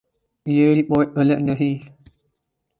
یہ رپورٹ غلط نہیں